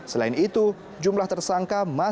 selain itu jumlah tersangka masih